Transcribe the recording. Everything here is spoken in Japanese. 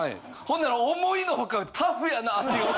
ほんなら思いのほかタフやなっていう。